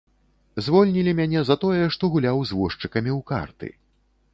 Звольнілі мяне за тое, што гуляў з возчыкамі ў карты.